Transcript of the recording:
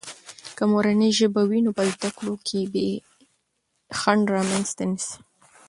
که مورنۍ ژبه وي، نو په زده کړو کې بې خنډ رامنځته نه سي.